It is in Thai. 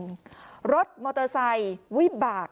กลุ่มตัวเชียงใหม่